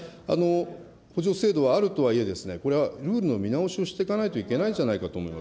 補助制度はあるとはいえ、これはルールの見直しをしていかないといけないんじゃないかと思います。